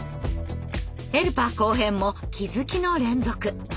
ヘルパー後編も気付きの連続。